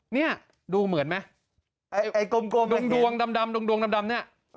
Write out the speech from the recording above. นี่ดูเหมือนไหมดวงดำเนี่ย